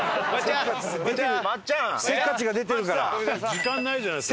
時間ないじゃないですか。